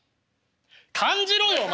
感じろよお前は！